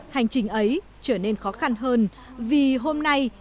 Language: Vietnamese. hành trình ấy trở nên khó khăn hơn vì hôm nay